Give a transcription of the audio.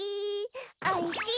おいしイ。